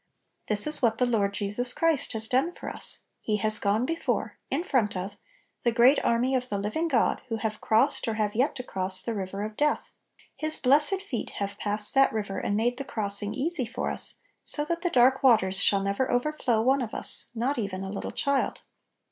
This is what the Lord Jesus Christ has done for us. He has gone before, in front of, the great army of the living God who have crossed or have yet to cross the river of death. His blessed feet have passed th#t river, and made the crossing easy for us, so that the 84 Little Pillows. dark waters shall never overflow one of us, not even a little child.